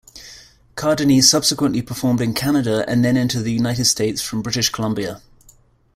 Cardini subsequently performed in Canada and then entered the United States from British Columbia.